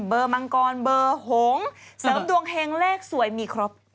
มังกรเบอร์หงษ์เสริมดวงเฮงเลขสวยมีครบ